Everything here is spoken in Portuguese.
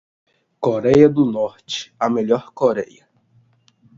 Coreia do Norte, a melhor Coreia